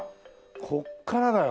ここからだよ。